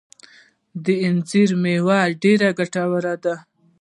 د انځر مېوه ډیره ګټوره ده